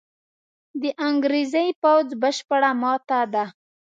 د انګرېزي پوځ بشپړه ماته ده.